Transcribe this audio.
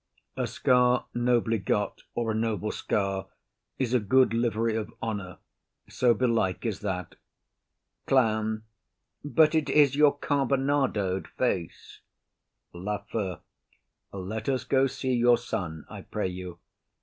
A scar nobly got, or a noble scar, is a good livery of honour; so belike is that. CLOWN. But it is your carbonado'd face. LAFEW. Let us go see your son, I pray you.